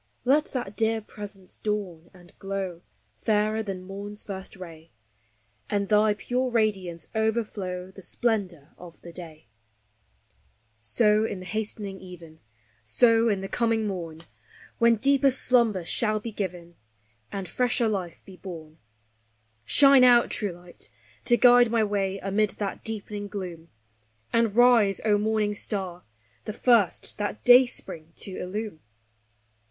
Let that dear Presence dawn and glow, fairer than morn's first ray, And thy pure radiance overflow the splendor of the day. SABBATH: WORSHIP: CREED. 197 Bo iu the hastening even, so in the coming morn, When deeper slumber shall be given, and fresher life be born. Shine out, true Light ! to guide my way amid that deepening gloom, And rise, () Morning Star, the first that dayspring to illume!